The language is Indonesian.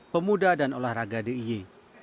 pemuda dan olahraga dii